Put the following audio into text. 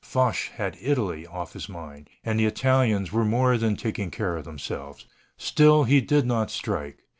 Foch had Italy off his mind, and the Italians were more than taking care of themselves. Still he did not strike.